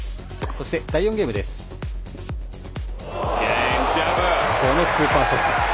そして第４ゲームにはあのスーパーショット。